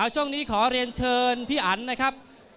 ช่วงนี้ขอเรียนเชิญพี่อันนะครับ